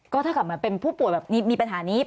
ก็ถ้าเป็นผู้ป่วยมีปัญหานี้